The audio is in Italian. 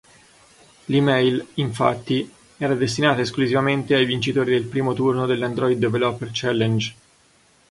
L'e-mail, infatti, era destinata esclusivamente ai vincitori del primo turno dell'Android Developer Challenge.